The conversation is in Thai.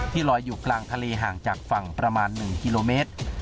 ลอยอยู่กลางทะเลห่างจากฝั่งประมาณ๑กิโลเมตร